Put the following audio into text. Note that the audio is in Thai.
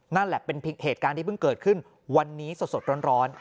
นั่นแหละเป็นเหตุการณ์ที่เพิ่งเกิดขึ้นวันนี้สดร้อน